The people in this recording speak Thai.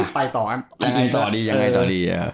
ไปต่อยังไงต่อดี